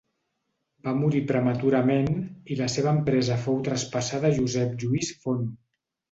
Va morir prematurament i la seva empresa fou traspassada a Josep Lluís Font.